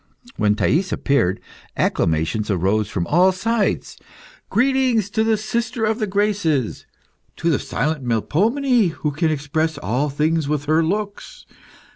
When Thais appeared, acclamations arose from all sides. Greetings to the sister of the Graces! To the silent Melpomene, who can express all things with her looks!